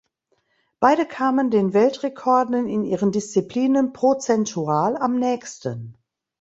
Beide kamen den Weltrekorden in ihren Disziplinen Prozentual am nächsten.